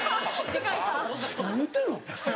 何言ってるの？